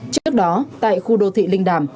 trước đó tại khu đô thị linh đàm